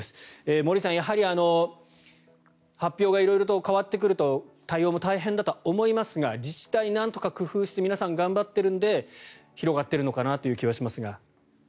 森内さん、やはり発表が色々と変わってくると対応も大変だとは思いますが自治体はなんとか工夫して皆さん頑張っているので広がっているのかなという気はしますが。